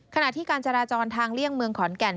ขณะที่การจราจรทางเลี่ยงเมืองขอนแก่น